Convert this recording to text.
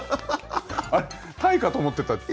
タイかと思ってた。